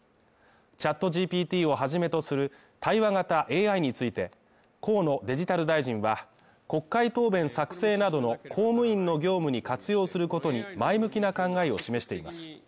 ＣｈａｔＧＰＴを始めとする対話型ＡＩについて、河野デジタル大臣は国会答弁作成などの公務員の業務に活用することに前向きな考えを示しています。